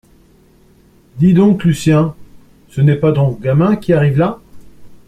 Dis donc, Lucien, c’est pas ton gamin qui arrive là ?